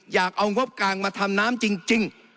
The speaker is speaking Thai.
อยากเอางบกลางมาทำน้ำจริง